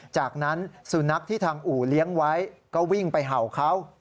จากนั้นสุนัขที่ทางอู่เลี้ยงไว้ก็วิ่งไปเห่าเขา